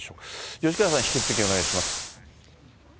吉川さん、引き続きお願いします。